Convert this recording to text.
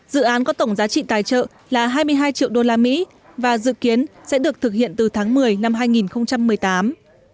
dự án có tổng giá trị tài trợ là hai mươi hai triệu usd và dự kiến sẽ được thực hiện từ tháng một mươi năm hai nghìn một mươi tám